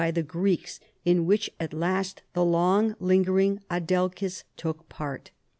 231 Greeks, in which at last the long lingering Adelchis took part.